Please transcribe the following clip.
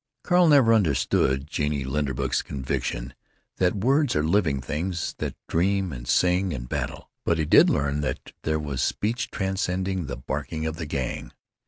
Carl never understood Genie Linderbeck's conviction that words are living things that dream and sing and battle. But he did learn that there was speech transcending the barking of the Gang.